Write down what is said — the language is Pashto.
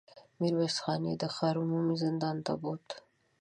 ميرويس خان يې د ښار عمومي زندان ته بوت.